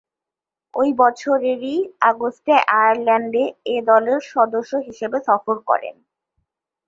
ঐ বছরেরই আগস্টে আয়ারল্যান্ডে এ দলের সদস্য হিসেবে সফর করেন।